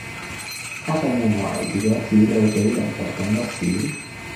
家長認為如果子女比鄰座懂得少